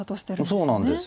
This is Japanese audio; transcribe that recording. そうなんです。